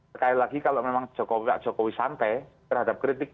sekali lagi kalau memang pak jokowi santai terhadap kritik